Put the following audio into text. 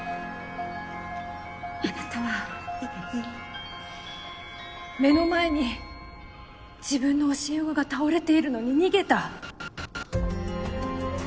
あなたは目の前に自分の教え子が倒れているのに逃げた。